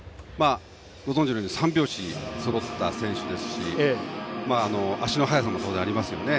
ご存じのように三拍子そろった選手ですし当然、足の速さもありますよね。